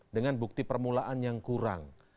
dengan bukti permulaan yang kurang